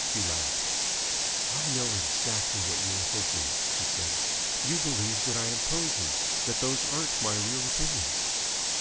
She laughed. "I know exactly what you are thinking," she said. "You believe that I am posing, that those aren't my real opinions."